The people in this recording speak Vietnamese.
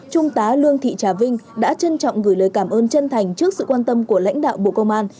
trung tá lương thị trà vinh đã trân trọng gửi lời cảm ơn chân thành trước sự quan tâm của lãnh đạo bộ công an